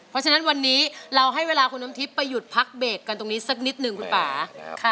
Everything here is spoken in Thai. เพราะฉะนั้นวันนี้เราให้เวลาคุณน้ำทิพย์ไปหยุดพักเบรกกันตรงนี้สักนิดหนึ่งคุณป่า